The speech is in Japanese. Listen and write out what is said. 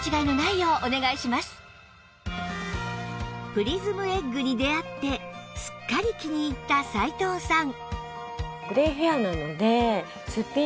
プリズムエッグに出会ってすっかり気に入った斉藤さん